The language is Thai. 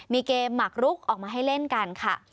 มีเกมหมักลุกออกมาให้เล่นกันค่ะ